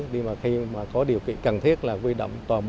nhưng mà khi mà có điều kiện cần thiết là huy động tòa bộ